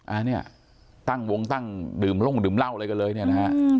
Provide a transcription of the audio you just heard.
อันนี้ตั้งวงตั้งดื่มลงดื่มเหล้าอะไรกันเลยเนี่ยนะฮะ